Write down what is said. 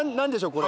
これ。